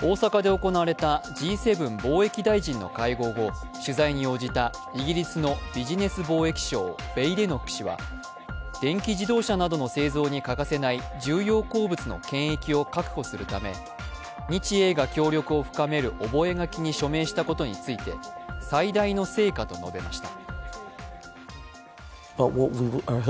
大阪で行われたＧ７貿易大臣の会合後、取材に応じたイギリスのビジネス貿易相ベイデノック氏は電気自動車などの製造に欠かせない重要鉱物の権益を確保するため日英が協力を深める覚書に署名したことについて最大の成果と述べました。